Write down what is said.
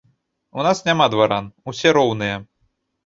У нас няма дваран, усе роўныя!